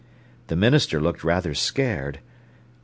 The minister looked rather scared.